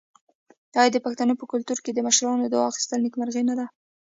آیا د پښتنو په کلتور کې د مشرانو دعا اخیستل نیکمرغي نه ده؟